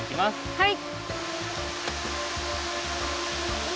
はい。